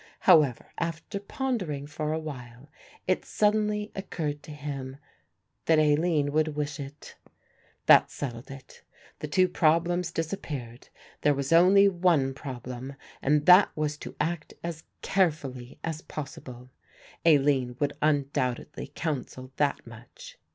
However, after pondering for a while it suddenly occurred to him that Aline would wish it. That settled it; the two problems disappeared; there was only one problem and that was to act as carefully as possible. Aline would undoubtedly counsel that much.